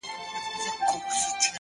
زه به د خال او خط خبري كوم-